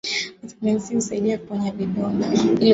vitamini C husaidia kuponya vidonda